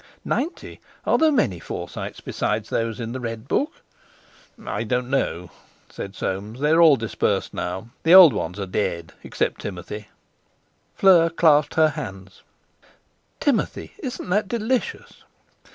"Ninety? Are there many Forsytes besides those in the Red Book?" "I don't know," said Soames. "They're all dispersed now. The old ones are dead, except Timothy." Fleur clasped her hands. "Timothy? Isn't that delicious?"